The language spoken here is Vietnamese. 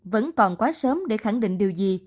vẫn còn quá sớm để khẳng định điều gì